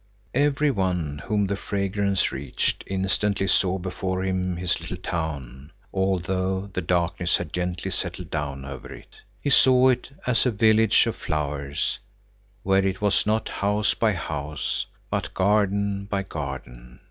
Every one whom the fragrance reached instantly saw before him his little town, although the darkness had gently settled down over it. He saw it as a village of flowers, where it was not house by house, but garden by garden.